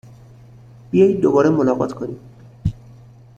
بیایید دوباره ملاقات کنیم!